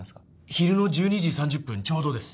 昼の１２時３０分ちょうどです。